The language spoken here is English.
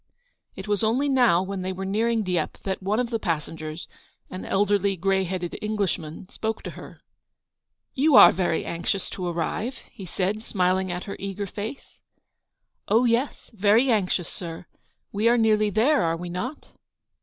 It was only now, when they were nearing Dieppe, that one of the passengers, an elderly, grey headed Englishman, spoke to her. "You are very anxious to arrive," he said, smiling at her eager face. "Oh, yes, very anxious, sir. We are nearly there, are we not